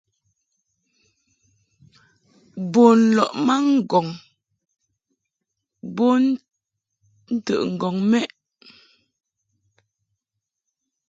Bun lɔʼ ma ŋgɔŋ bon ntəʼŋgɔŋ mɛʼ.